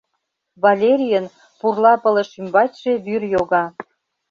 Валерийын пурла пылыш ӱмбачше вӱр йога.